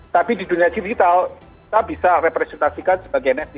tapi di dunia digital kita bisa representasikan sebagai networ